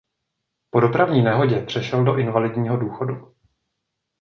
Po dopravní nehodě přešel do invalidního důchodu.